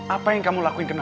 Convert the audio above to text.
apa yang kamu lakuin ke naura